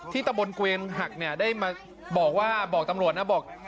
ตะบนเกวียนหักเนี่ยได้มาบอกว่าบอกตำรวจนะบอก